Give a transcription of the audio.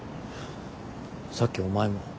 さっきお前も。